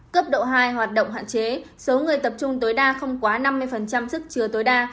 cấp độ hai hoạt động hạn chế số người tập trung tối đa không quá năm mươi sức chứa tối đa